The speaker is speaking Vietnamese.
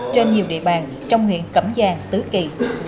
trên nhiều địa bàn trong huyện cẩm giang tứ kỳ